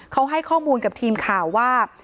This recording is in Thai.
เขาให้ข้อมูลกับทีมข่าวว่า